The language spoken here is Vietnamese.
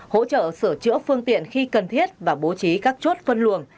hỗ trợ sửa chữa phương tiện khi cần thiết và bố trí các chốt phân luồng